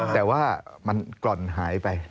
แต่ว่ามันกล่อนหายไป